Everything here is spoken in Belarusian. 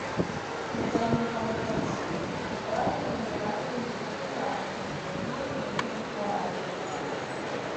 На заднім плане карціны справа намаляваныя дзве служанкі, занятыя куфрам з нарадамі.